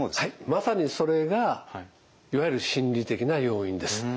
まさにそれがいわゆる心理的な要因です。